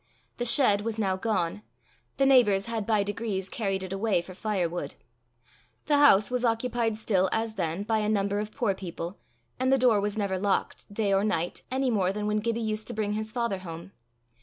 The shed was now gone; the neighbours had by degrees carried it away for firewood. The house was occupied still as then by a number of poor people, and the door was never locked, day or night, any more than when Gibbie used to bring his father home.